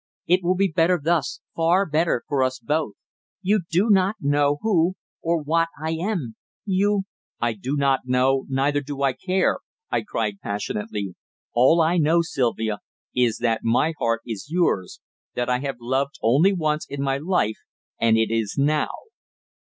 It will be better thus far better for us both. You do not know who or what I am; you " "I do not know, neither do I care!" I cried passionately. "All I know, Sylvia, is that my heart is yours that I have loved only once in my life, and it is now!"